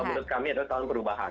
menurut kami adalah tahun perubahan